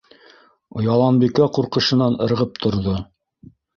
Яланбикә ҡурҡышынан ырғып торҙо.